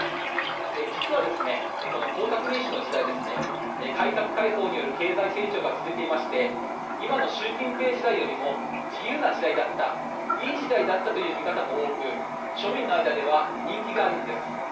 実は、この江沢民氏の時代改革開放による経済成長が続いていまして今の習近平時代よりも自由な時代だったいい時代だったという見方も多く庶民の間では人気があるんです。